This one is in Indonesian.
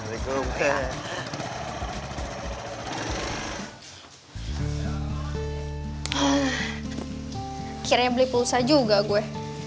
akhirnya beli pulsa juga gue